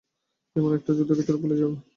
জীবন একটা যুদ্ধক্ষেত্র, ভুলে যেও না!